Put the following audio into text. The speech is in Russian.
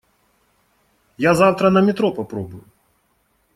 Я завтра на метро попробую.